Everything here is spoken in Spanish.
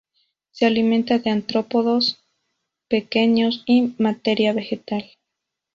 Se alimenta de artrópodos pequeños y materia vegetal.